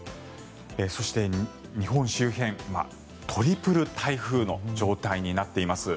そして日本周辺トリプル台風の状態になっています。